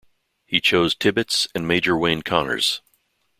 He chose Tibbets and Major Wayne Connors.